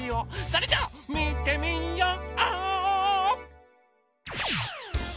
それじゃあみてみよう！